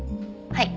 はい。